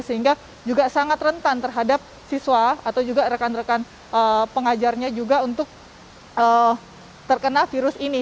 sehingga juga sangat rentan terhadap siswa atau juga rekan rekan pengajarnya juga untuk terkena virus ini